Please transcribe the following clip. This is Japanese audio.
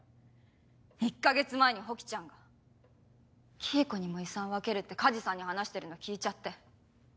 １か月前にホキちゃんが黄以子にも遺産を分けるって梶さんに話してるの聞いちゃって。